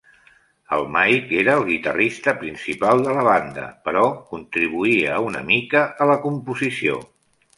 El Mike era el guitarrista principal de la banda, però contribuïa una mica a la composició.